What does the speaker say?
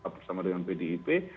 bersama dengan bdip